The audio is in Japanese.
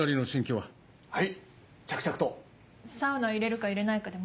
はい！